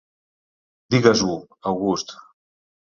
Digues-ho, August.